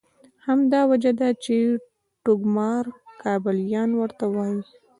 همدا وجه ده چې ټوکمار کابلیان ورته وایي.